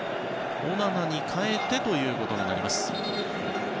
オナナに代えてということになります。